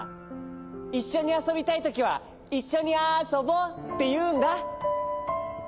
いっしょにあそびたいときは「いっしょにあそぼう」っていうんだ。